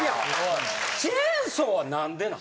チェーンソーは何でなん？